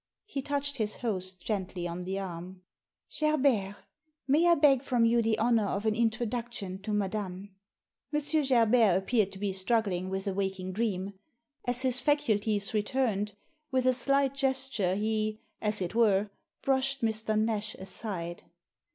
He touched his host gently on the arm. " Gerbert, may I beg from you the honour of an introduction to madame ?" M. Gerbert appeared to be struggling with a waking dream. As his faculties returned, with a slight gesture, he, as it were, brushed Mr. Nash aside.